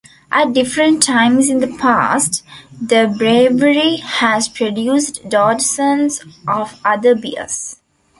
At different times in the past, the brewery has produced dozens of other beers.